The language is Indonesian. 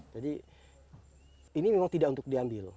jadi ini memang tidak untuk diambil